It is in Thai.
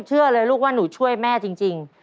เชื่อเลยลูกว่าหนูช่วยแม่จริง